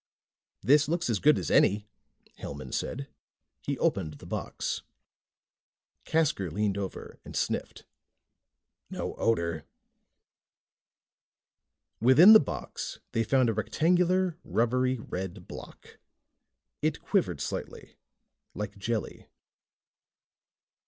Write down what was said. "This looks as good as any," Hellman said. He opened the box. Casker leaned over and sniffed. "No odor." Within the box they found a rectangular, rubbery red block. It quivered slightly, like jelly.